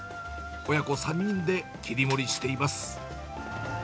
親子３人で切り盛りしています。